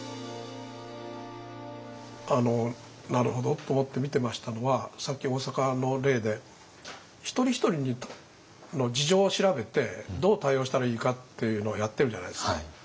あのなるほどと思って見てましたのはさっき大阪の例で一人一人の事情を調べてどう対応したらいいかっていうのをやってるじゃないですか。